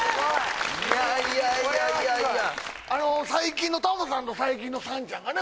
・いやいやいやいやいや最近のタモさんと最近のさんちゃんがね